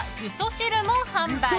汁も販売。